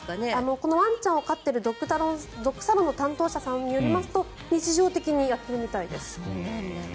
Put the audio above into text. このワンちゃんを飼っているドッグサロンの担当者さんによりますと日常的にやっているみたいです。